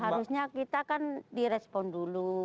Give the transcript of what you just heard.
harusnya kita kan direspon dulu